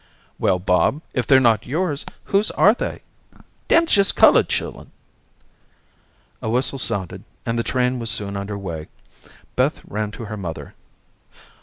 "Well, Bob, if they're not yours, whose are they?" "Dem's jes' culled chillun." A whistle sounded, and the train was soon under way again. Beth ran to her mother.